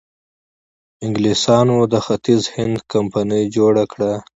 انګلیسانو د ختیځ هند کمپنۍ جوړه کړه.